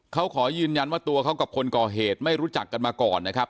เขาขอยืนยันว่าตัวเขากับคนก่อเหตุไม่รู้จักกันมาก่อนนะครับ